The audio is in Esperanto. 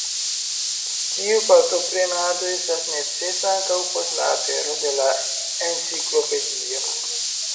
Tiu partoprenado estas necesa ankaŭ post la apero de la Enciklopedio.